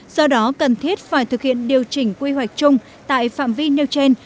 do đó cần thiết phải thực hiện điều chỉnh quy hoạch chung tại phạm vi nêu trên